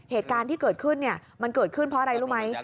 เหตุการณ์ที่เกิดขึ้นมันเกิดขึ้นเพราะอะไรรู้ไหม